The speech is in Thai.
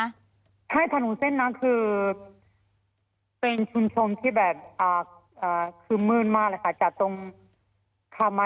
ใช่ถนนเส้นนั้นคือเป็นชุนชมที่แบบคือมืดมากเลยค่ะ